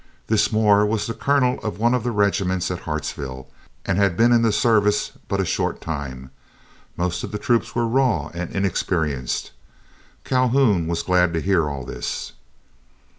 This Moore was the colonel of one of the regiments at Hartsville, and had been in the service but a short time. Most of the troops were raw and inexperienced. Calhoun was glad to hear all this.